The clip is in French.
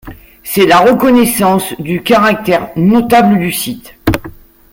C'est la reconnaissance du caractère notable du site.